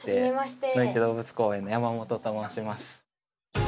のいち動物公園の山本と申します。